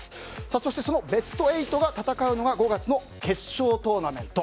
そして、そのベスト８が戦うのが５月の決勝トーナメント。